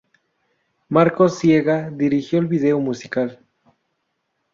Marcos Siega dirigió el vídeo musical.